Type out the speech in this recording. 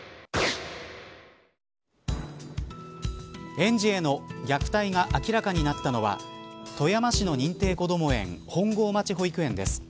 園児への虐待が明らかになったのは富山市の認定こども園本郷町保育園です。